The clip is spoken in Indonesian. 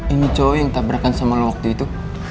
ini cowok yang tabrakan sama lo waktu itu